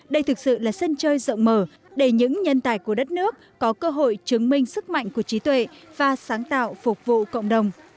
đây thực sự là sân chơi rộng mở để những nhân tài của đất nước có cơ hội chứng minh sức mạnh của trí tuệ và sáng tạo phục vụ cộng đồng